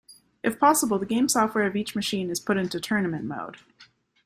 If possible, the game software of each machine is put into "tournament mode".